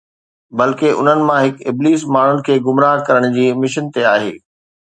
بلڪه انهن مان هڪ ابليس ماڻهن کي گمراهه ڪرڻ جي مشن تي آهي